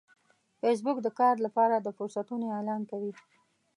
فېسبوک د کار لپاره د فرصتونو اعلان کوي